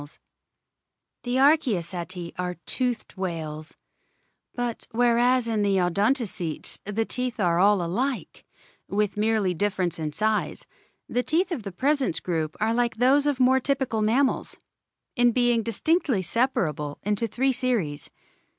ZEUGLODONTS 309 The Archaeoceti are toothed whales ; but, whereas in the Odontocetes the teeth are all alike (with merely difference in size), the teeth of the present group are like those of more typical mammals, in being dis tinctly separable into three series.